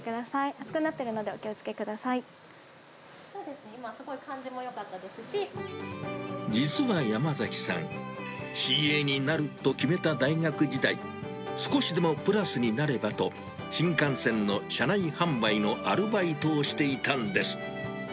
熱くなっているのでお気をつけくそうですね、今、実は山崎さん、ＣＡになると決めた大学時代、少しでもプラスになればと、新幹線の車内販売のアルバイトをしていたんです。